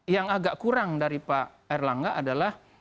yang agak kurang dari pak erlangga adalah